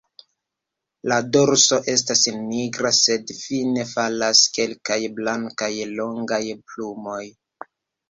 La dorso estas nigra, sed fine falas kelkaj blankaj longaj plumoj.